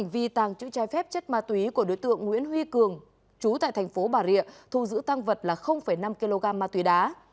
vì tàng chữ trái phép chất ma túy của đối tượng nguyễn huy cường chú tại thành phố bà rịa thu giữ tăng vật là năm kg ma túy đá